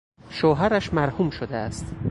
شوهرش مرحوم شده است.